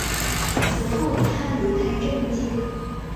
此后他离开政界。